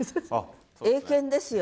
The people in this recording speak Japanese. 英検ですよ。